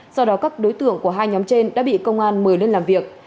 sau đó các đối tượng của hai nhóm trên đã bị công an mời lên làm việc